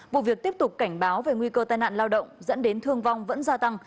vụ việc tiếp tục cảnh báo về nguy cơ tai nạn lao động dẫn đến thương vong vẫn gia tăng